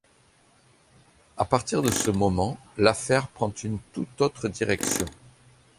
À partir de ce moment, l'affaire prend une tout autre direction.